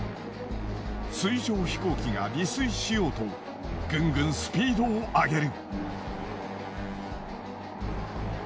水上飛行機が離水しようとグングンスピードを上げる。